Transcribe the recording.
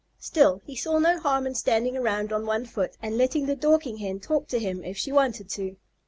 Still, he saw no harm in standing around on one foot and letting the Dorking Hen talk to him if she wanted to.